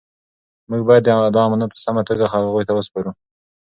موږ باید دا امانت په سمه توګه هغوی ته وسپارو.